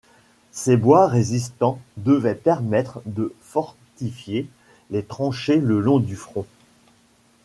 Ces bois résistants devaient permettre de fortifier les tranchées le long du front.